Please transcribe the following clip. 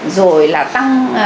rồi là tăng